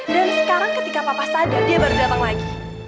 dan sekarang ketika papa sadar dia baru datang lagi